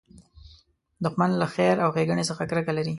دښمن له خیر او ښېګڼې څخه کرکه لري